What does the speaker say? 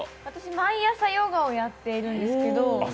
毎朝ヨガをやっているんですけど。